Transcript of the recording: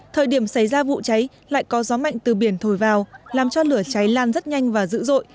thời điểm xảy ra vụ cháy lại có gió mạnh từ biển thổi vào làm cho lửa cháy lan rất nhanh và dữ dội